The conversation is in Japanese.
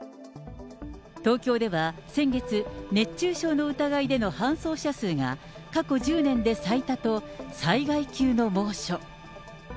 東京では先月、熱中症の疑いでの搬送者数が過去１０年で最多と、災害級の猛暑。